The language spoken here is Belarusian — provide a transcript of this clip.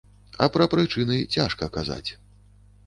А пра прычыны цяжка казаць.